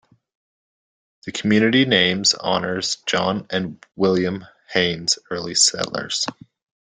The community's name honors John and William Hayes, early settlers.